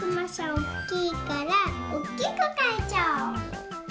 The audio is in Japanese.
おっきいからおっきくかいちゃおう。